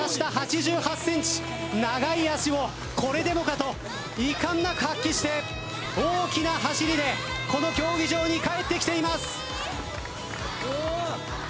長い脚をこれでもかと遺憾なく発揮して大きな走りでこの競技場に帰ってきています。